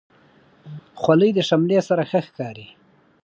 خولۍ د شملې سره ښه ښکاري.